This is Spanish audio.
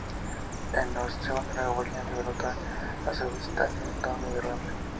En No Surrender, Williams derrotó a Sabu y Styles a Tommy Dreamer.